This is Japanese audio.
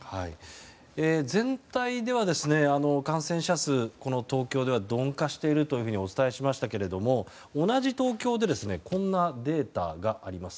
全体では、感染者数東京では鈍化しているとお伝えしましたけれども同じ東京でこんなデータがあります。